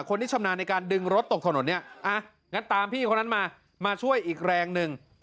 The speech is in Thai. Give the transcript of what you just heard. ชำนาญในการดึงรถตกถนนเนี่ยอ่ะงั้นตามพี่คนนั้นมามาช่วยอีกแรงหนึ่ง